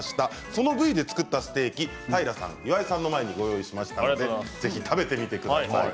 その部位で作ったステーキ平さん、岩井さんの前にご用意しましたのでぜひ食べてみてください。